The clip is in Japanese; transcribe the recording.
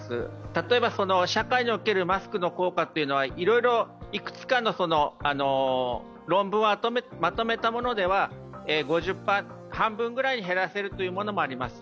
例えば社会におけるマスクの効果というのはいろいろ、いくつかの論文をまとめたものでは５０％、半分くらいに減らせるものもあります。